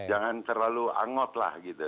jangan terlalu angot lah gitu